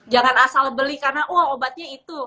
jangan asal beli karena wah obatnya itu